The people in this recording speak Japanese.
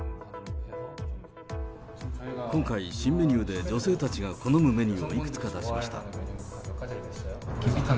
今回、新メニューで女性たちが好むメニューをいくつか出しました。